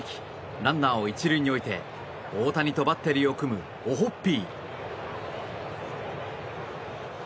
ランナーを１塁に置いて大谷とバッテリーを組むオホッピー。